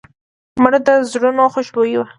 مړه د زړونو خوشبويي وه